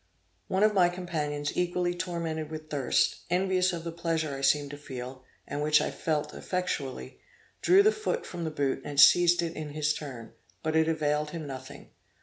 One of my companions equally tormented with thirst, envious of the pleasure I seemed to feel, and which I felt effectually, drew the foot from the boot, and seized it in his turn, but it availed him nothing.